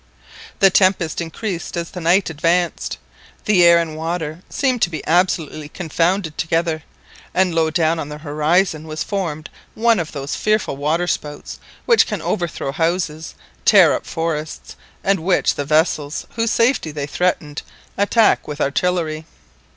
The tempest increased as the night advanced, the air and water seemed to be absolutely confounded together, and low down on the horizon was formed one of those fearful waterspouts which can overthrow houses, tear up forests, and which the vessels whose safety they threaten attack with artillery.